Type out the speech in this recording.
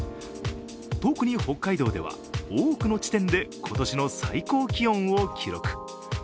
特に北海道では多くの地点で今年の最高気温を記録。